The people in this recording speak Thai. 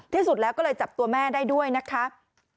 ที่สุดแล้วก็เลยจับตัวแม่ได้ด้วยนะครับ